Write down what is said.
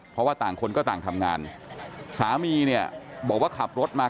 เพราะว่าต่างคนก็ต่างทำงานสามีเนี่ยบอกว่าขับรถมา